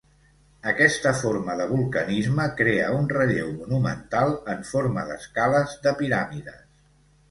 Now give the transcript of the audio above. Aquesta forma de vulcanisme crea un relleu monumental en forma d'escales de piràmides.